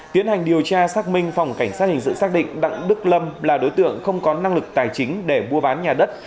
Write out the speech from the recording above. tiến hành điều tra xác minh phòng cảnh sát hình sự xác định đặng đức lâm là đối tượng không có năng lực tài chính để mua bán nhà đất